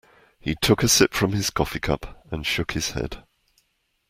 He took a sip from his coffee cup and shook his head.